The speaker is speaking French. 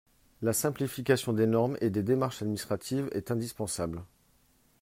La simplification des normes et des démarches administratives est indispensable.